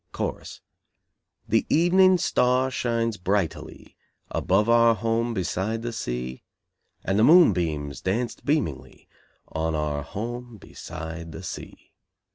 CHORUS. "The Evening Star shines bright i ly Above our home beside the sea, And the moon beams danced beamingly On our home beside the sea.